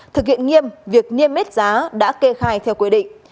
thực hiện nghiêm việc nghiêm mết giá đã kê khai theo quy định